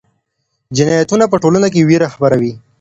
جنایتونه په ټولنه کې ویره خپروي.